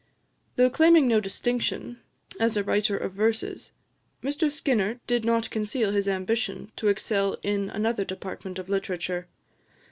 Though claiming no distinction as a writer of verses, Mr Skinner did not conceal his ambition to excel in another department of literature.